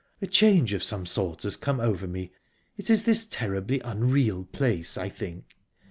"A change of some sort has come over me. It is this terribly unreal place, I think.